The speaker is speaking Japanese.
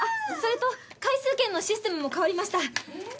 それと回数券のシステムも変わりました。